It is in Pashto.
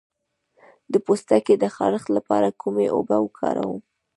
د پوستکي د خارښ لپاره کومې اوبه وکاروم؟